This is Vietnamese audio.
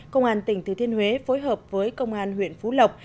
công an tỉnh thừa thiên huế phối hợp với công an huyện phú lộc